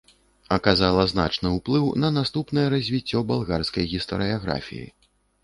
Аказала значны ўплыў на наступнае развіццё балгарскай гістарыяграфіі.